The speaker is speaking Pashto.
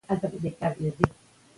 هر څه په پټو سترګو مه منئ.